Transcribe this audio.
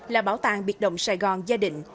là bảo tàng biệt động sài gòn gia đình